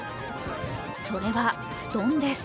それは、布団です。